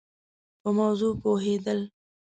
په موضوع پوهېد ل